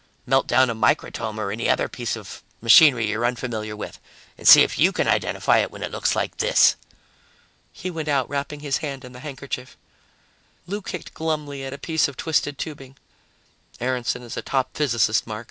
"Melt down a microtome or any other piece of machinery you're unfamiliar with, and see if you can identify it when it looks like this." He went out, wrapping his hand in the handkerchief. Lou kicked glumly at a piece of twisted tubing. "Aaronson is a top physicist, Mark.